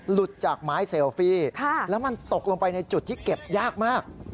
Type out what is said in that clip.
หลุดจากไม้เซลฟี่แล้วมันตกลงไปในจุดที่เก็บยากมาก